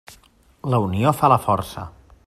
La unió fa la força.